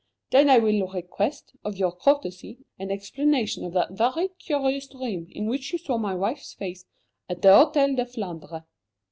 Then I will request, of your courtesy, an explanation of that very curious dream in which you saw my wife's face at the Hôtel de Flandre.